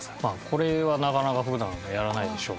これはなかなか普段やらないでしょう